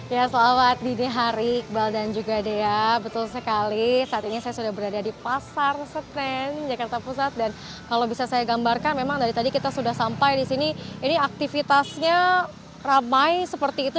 ya selamat dini hari iqbal dan juga dea betul sekali saat ini saya sudah berada di pasar senen jakarta pusat dan kalau bisa saya gambarkan memang dari tadi kita sudah sampai di sini ini aktivitasnya ramai seperti itu